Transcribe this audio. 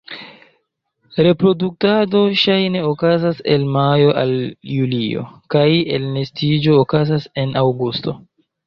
Reproduktado ŝajne okazas el majo al julio, kaj elnestiĝo okazas en aŭgusto.